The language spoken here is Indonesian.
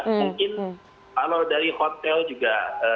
mungkin kalau dari hotel juga